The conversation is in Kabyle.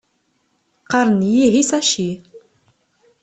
Qqaren-iyi Hisashi.